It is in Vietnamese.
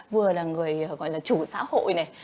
vừa là người gọi là chủ xã hội này